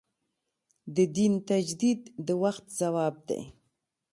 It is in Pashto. د دین تجدید د وخت ځواب دی.